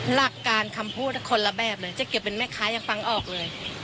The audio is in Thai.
หลักการคำพูดคนละแบบเลยเจ๊เกียวเป็นแม่ค้ายังฟังออกเลย